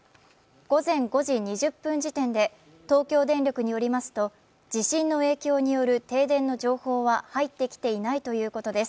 午前５時２０分時点で東京電力によりますと、地震の影響による停電の情報は入ってきていないということです。